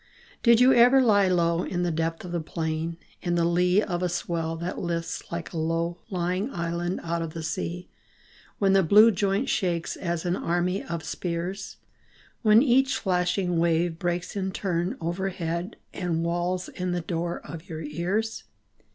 Did you ever lie low In the depth of the plain, & In the lee of a swell that lifts Like a low lying island out of the sea, When the blue joint shakes As an army of spears; When each flashing wave breaks In turn overhead And wails in the door of your ears